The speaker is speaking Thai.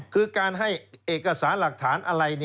คือการให้เอกสารหลักฐานอะไร